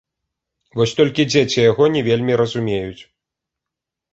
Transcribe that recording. Вось толькі дзеці яго не вельмі разумеюць.